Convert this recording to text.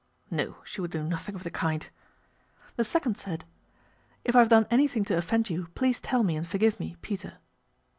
No, she would do nothing of the kind. The second said :" If I have done anything to offend you please tell me and forgive me peter."